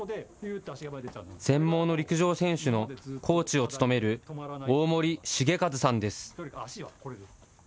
全盲の陸上選手のコーチを務める、大森盛一さんです。